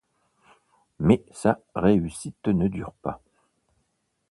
Mais sa réussite ne dure pas.